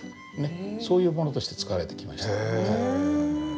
そういうものとして使われてきました。